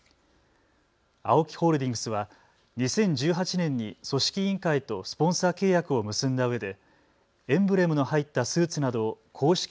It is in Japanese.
ＡＯＫＩホールディングスは２０１８年に組織委員会とスポンサー契約を結んだうえでエンブレムの入ったスーツなどを公式